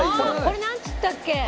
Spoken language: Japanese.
これなんつったっけ？